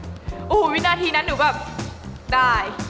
โอ้โหวินาทีนั้นหนูแบบได้